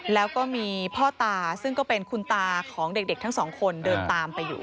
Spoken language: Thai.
แล้วก็มีพ่อตาซึ่งก็เป็นคุณตาของเด็กทั้งสองคนเดินตามไปอยู่